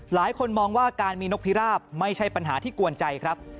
หลายคนมองว่าการมีนกพิราบไม่ใช่ปัญหาที่กวนใจครับ